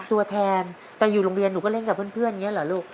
ตัวแทนจะอยู่โรงเรียนหนูก็เล่นกับเพื่อนอย่างนี้เหรอลูก